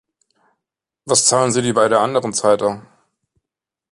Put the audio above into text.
Was zahlen sie dir bei der anderen Zeitung?